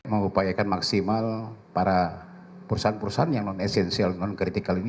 mengupayakan maksimal para perusahaan perusahaan yang non esensial non kritikal ini